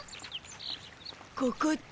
ここって？